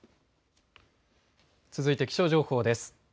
続いて気象情報です。